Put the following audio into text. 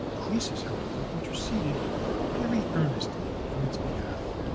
Croesus, however, interceded very earnestly in its behalf.